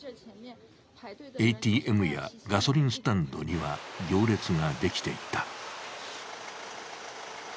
ＡＴＭやガソリンスタンドには行列ができていた。